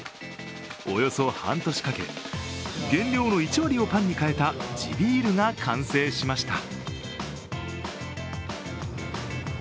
およそ半年かけ、原料の１割をパンにかえた地ビールが完成しました。